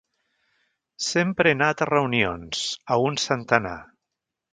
Sempre he anat a reunions, a un centenar.